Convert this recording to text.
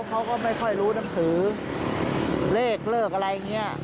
เขาก็ไม่ค่อยรู้หนังสือเลขเลิกอะไรอย่างนี้